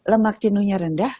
lemak jenuhnya rendah